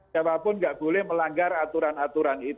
siapapun tidak boleh melanggar aturan aturan